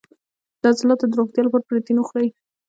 د عضلاتو د روغتیا لپاره پروتین وخورئ